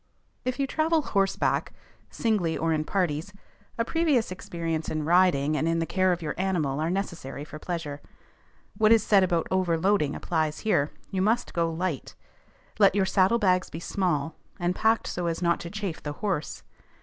If you travel horseback, singly or in parties, a previous experience in riding and in the care of your animal are necessary for pleasure. What is said about overloading applies here: you must go light; let your saddlebags be small, and packed so as not to chafe the horse.